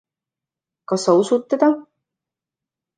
Kas sa usud teda?